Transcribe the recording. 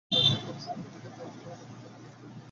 তবে বেশির ভাগ ক্ষেত্রেই শুরুর দিকে তেমন কোনো লক্ষণ থাকে না।